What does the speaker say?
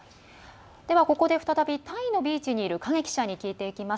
ここで再びタイのビーチにいる影記者に聞いていきます。